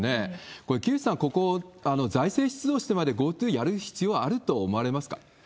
これ、木内さん、ここ財政出動してまでＧｏＴｏやる必要あると思われますか？